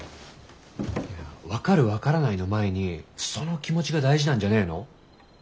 分かる分からないの前にその気持ちが大事なんじゃねえの？